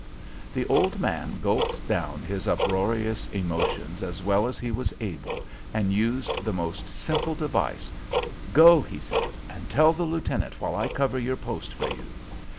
The old man gulped down his uproarious emotions as well as he was able and used the most simple device. "Go," he said, "and tell the lieutenant while I cover your post for you."